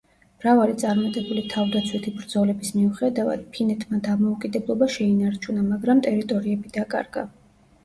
მრავალი წარმატებული თავდაცვითი ბრძოლების მიუხედავად, ფინეთმა დამოუკიდებლობა შეინარჩუნა, მაგრამ ტერიტორიები დაკარგა.